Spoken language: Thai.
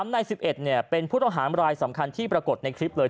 ใน๑๑เป็นผู้ต้องหามรายสำคัญที่ปรากฏในคลิปเลย